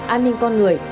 an ninh con người